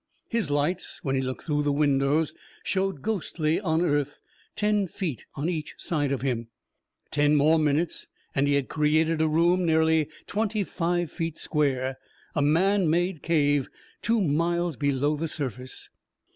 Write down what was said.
His lights, when he looked through the windows, showed ghostly on earth ten feet on each side of him. Ten more minutes and he had created a room nearly twenty five feet square a man made cave, two miles below the surface.